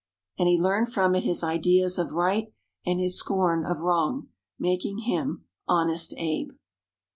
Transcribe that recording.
And he learned from it his ideas of right and his scorn of wrong, making him "Honest Abe."